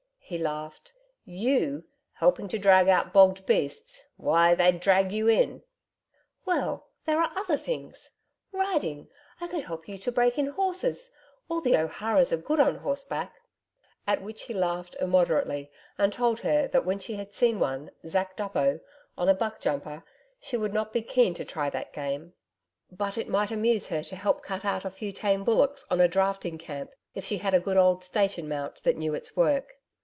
He laughed. 'YOU helping to drag out bogged beasts! Why! they'd drag you in.' 'Well, there are other things. Riding! I could help you to break in horses. All the O'Haras are good on horseback' at which he laughed immoderately and told her that when she had seen one, Zack Duppo, on a buckjumper, she would not be keen to try that game. But it might amuse her to help cut out a few tame bullocks on a drafting camp if she had a good old station mount that knew its work.